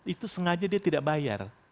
itu sengaja dia tidak bayar